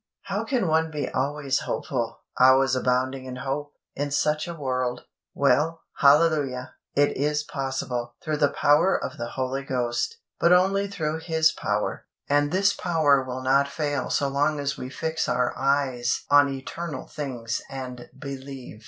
How can one be always hopeful, always abounding in hope, in such a world? Well, hallelujah! it is possible "through the power of the Holy Ghost," but only through His power; and this power will not fail so long as we fix our eyes on eternal things and believe.